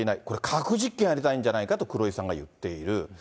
これ、核実験をやりたいんじゃないかと黒井さんが言っている。